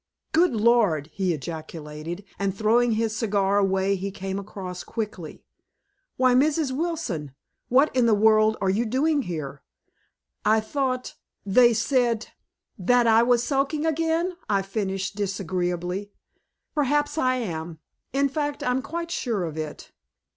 "Good Lord!" he ejaculated, and throwing his cigar away he came across quickly. "Why, Mrs. Wilson, what in the world are you doing here? I thought they said " "That I was sulking again?" I finished disagreeably. "Perhaps I am. In fact, I'm quite sure of it."